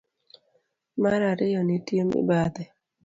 Mar ariyo, nitie mibadhi.